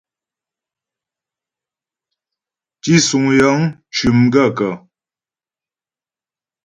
Tísuŋ yəŋ cʉ́ m gaə̂kə̀ ?